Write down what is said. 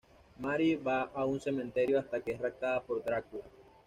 Mary va a un cementerio, hasta que es raptada por Drácula.